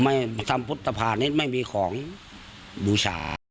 ไม่ทำพุทธภาณิชย์ไม่มีของบูชา